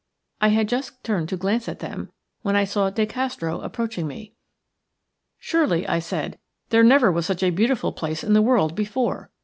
I had just turned lo glance at them when I saw De Castro approaching me. "Surely," I said, "there never was such a beautiful place in the world before!